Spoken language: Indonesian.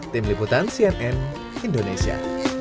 tim liputan cnn indonesia